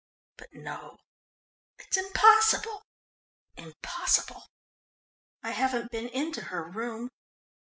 "But no, it is impossible, impossible!" "I haven't been into her room.